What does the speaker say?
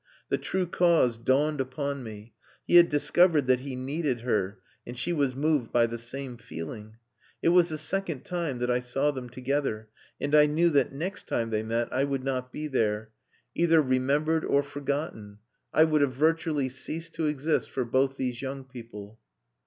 The true cause dawned upon me: he had discovered that he needed her and she was moved by the same feeling. It was the second time that I saw them together, and I knew that next time they met I would not be there, either remembered or forgotten. I would have virtually ceased to exist for both these young people.